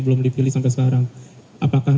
belum dipilih sampai sekarang apakah